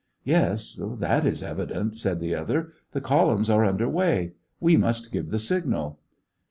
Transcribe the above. "Yes, that is evident," said the other. "The columns are under way. We must give the signal."